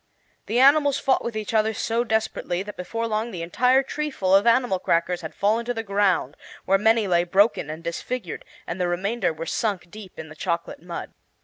The animals fought with each other so desperately that before long the entire treeful of animal crackers had fallen to the ground, where many lay broken and disfigured, and the remainder were sunk deep in the chocolate mud.